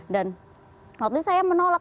dan waktu itu saya menolak